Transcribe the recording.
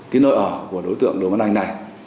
cái nơi ở của đối tượng đồ văn anh này